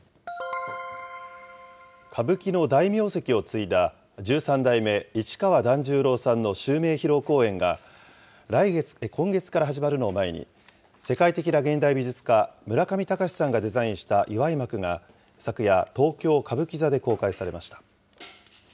歌舞伎の大名跡を継いだ、十三代目市川團十郎さんの襲名披露公演が、今月から始まるのを前に、世界的な現代美術家、村上隆さんがデザインした祝幕が昨夜、東京・歌舞伎座で公開されました。